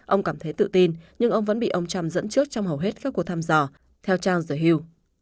ông cảm thấy tự tin nhưng ông vẫn bị ông trump dẫn trước trong hầu hết các cuộc thăm dò theo charles the hill